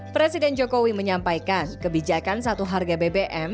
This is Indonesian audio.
presiden jokowi menyampaikan kebijakan satu harga bbm